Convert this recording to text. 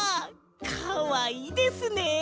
かわいいですねえ。